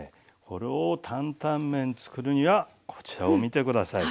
これ担々麺作るにはこちらを見て下さい。